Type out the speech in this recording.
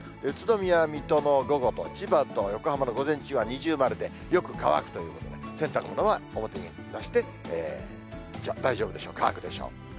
宇都宮、水戸の午後も千葉と横浜の午前中は二重丸でよく乾くということで、洗濯物は表に出して大丈夫でしょう、乾くでしょう。